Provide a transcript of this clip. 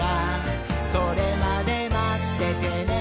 「それまでまっててねー！」